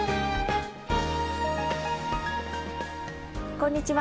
こんにちは。